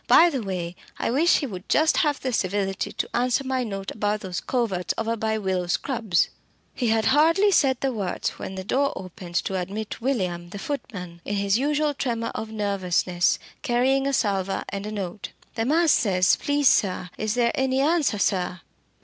By the way, I wish he would just have the civility to answer my note about those coverts over by Willow Scrubs!" He had hardly said the words when the door opened to admit William the footman, in his usual tremor of nervousness, carrying a salver and a note. "The man says, please sir, is there any answer, sir?"